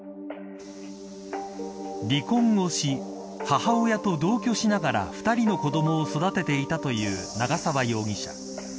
離婚をし母親と同居しながら２人の子どもを育てていたという長沢容疑者。